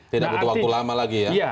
tidak butuh waktu lama lagi ya